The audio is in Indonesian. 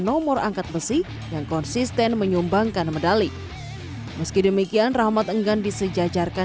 nomor angkat besi yang konsisten menyumbangkan medali meski demikian rahmat enggan disejajarkan